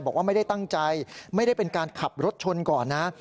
บอกว่าไม่ได้ตั้งใจไม่ได้เป็นการขับรถชนก่อนนะ